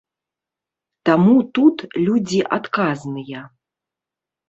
Таму тут людзі адказныя.